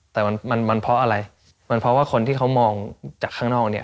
แต่มันมันเพราะอะไรมันเพราะว่าคนที่เขามองจากข้างนอกเนี่ย